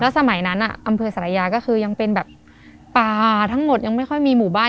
สมัยนั้นอำเภอสารยาก็คือยังเป็นแบบป่าทั้งหมดยังไม่ค่อยมีหมู่บ้าน